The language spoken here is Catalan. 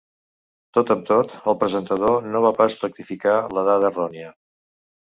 Tot amb tot, el presentador no va pas rectificar la dada errònia.